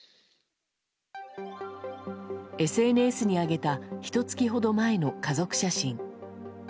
ＳＮＳに上げたひと月ほど前の家族写真。